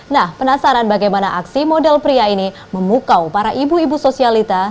nah penasaran bagaimana aksi model pria ini memukau para ibu ibu sosialita